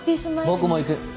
僕も行く。